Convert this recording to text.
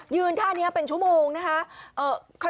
ท่านี้เป็นชั่วโมงนะคะ